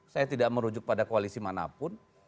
saya tidak merujuk pada koalisi manapun